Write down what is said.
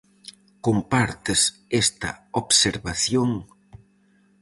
Compartes esta observación?